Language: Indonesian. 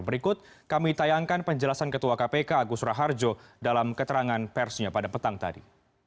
berikut kami tayangkan penjelasan ketua kpk agus raharjo dalam keterangan persnya pada petang tadi